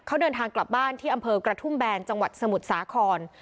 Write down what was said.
เขาเดินทางกลับบ้านที่อำเภอกระทุ่มแบนจังหวัดสมุทรสาคร